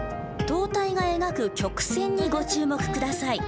塔体が描く曲線にご注目下さい。